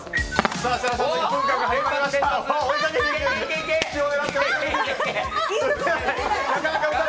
設楽さんの１分間が始まりました。